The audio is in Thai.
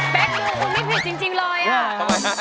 เบคดูคุณมิดผิดจริงเลยอ่ะ